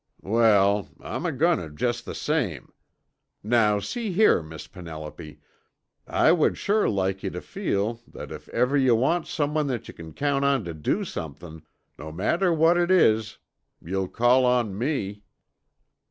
"Wal, I'm agoin' tuh jest the same. Now see here, Miss Penelope, I would sure like yuh tuh feel that if ever yuh want someone that yuh c'n count on tuh do somethin', no matter what it is, you'll call on me."